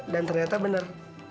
dan ternyata bener